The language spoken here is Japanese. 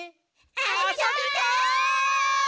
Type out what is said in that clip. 「あそびたい！」